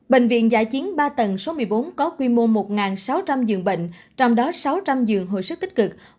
bệnh viện giã chiến ba tầng số một mươi bốn có quy mô một sáu trăm linh giường bệnh trong đó sáu trăm linh giường hồi sức tích cực